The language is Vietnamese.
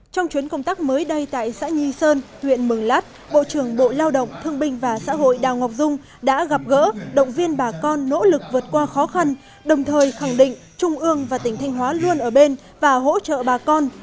trong chuyến công tác mới đây tại xã nhi sơn huyện mường lát bộ trưởng bộ lao động thương binh và xã hội đào ngọc dung đã gặp gỡ động viên bà con nỗ lực vượt qua khó khăn đồng thời khẳng định trung ương và tỉnh thanh hóa luôn ở bên và hỗ trợ bà con